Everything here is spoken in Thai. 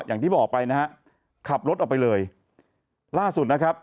อย่างที่บอกไปนะฮะขับรถออกไปเลยล่าสุดนะครับ